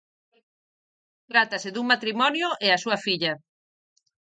Trátase dun matrimonio e a súa filla.